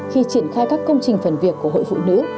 khi triển khai các công trình phần việc của hội phụ nữ